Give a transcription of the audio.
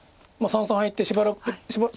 三々入ってしばらく。